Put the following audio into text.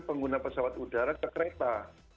pengguna pesawat udara ke kereta